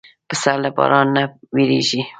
پسه له باران نه وېرېږي.